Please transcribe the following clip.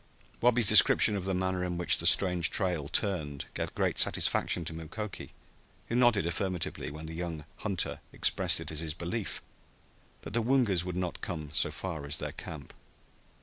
Wabi's description of the manner in which the strange trail turned gave great satisfaction to Mukoki, who nodded affirmatively when the young hunter expressed it as his belief that the Woongas would not come so far as their camp.